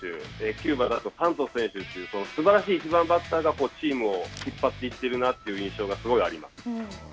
キューバだとサントス選手というすばらしい１番バッターがチームを引っ張っていっているなという印象がすごいあります。